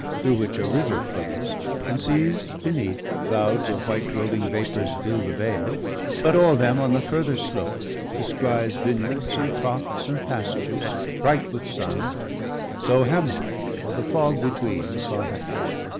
Through which a river flows, and sees, beneath, Clouds of white rolling vapours fill the vale, But o'er them, on the farther slope, descries M 2 164 BALDER DEAD. Vineyards, and crofts, and pastures, bright with sun So Hermod, o'er the fog between, saw Heaven.